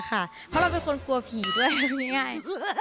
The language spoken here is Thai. เพราะเราเป็นคนกลัวผีด้วยพูดง่าย